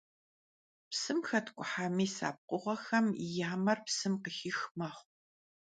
Psım xetk'uha mis a pkhığuexem ya mer psım khıxix mexhu.